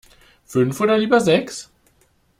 Fünf oder lieber sechs?